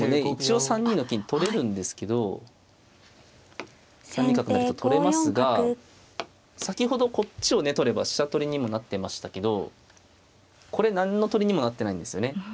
一応３二の金取れるんですけど３二角成と取れますが先ほどこっちをね取れば飛車取りにもなってましたけどこれ何の取りにもなってないんですよね。